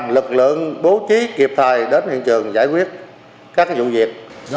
lực lượng bố trí kịp thời đến hiện trường giải quyết các vụ việc